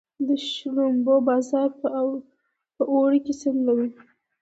د شړومبو بازار په اوړي کې څنګه وي؟